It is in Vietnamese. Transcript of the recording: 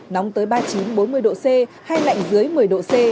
nóng tới ba mươi chín bốn mươi độ c hay lạnh dưới một mươi độ c